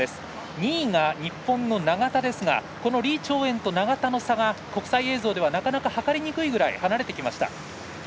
２位が日本の永田ですがこの李朝燕と永田の差は国際映像でははかれないぐらい離れていきました。